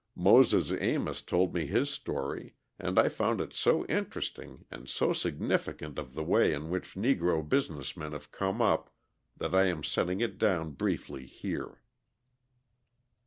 Moses Amos told me his story, and I found it so interesting, and so significant of the way in which Negro business men have come up, that I am setting it down briefly here.